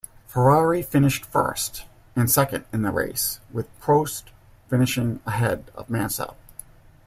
Ferrari finished first and second in the race, with Prost finishing ahead of Mansell.